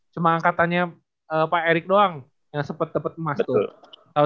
sama angkatannya pak eric doang yang sepet sepet emas tuh